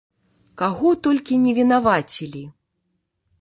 Каго толькі не вінавацілі!